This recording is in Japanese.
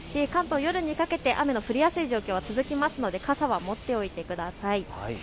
夜にかけて雨が降りやすい状況続きますので傘は持っておいてください。